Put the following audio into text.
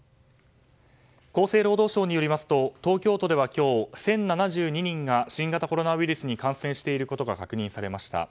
厚生労働省によりますと東京都では今日１０７２人が新型コロナウイルスに感染していることが確認されました。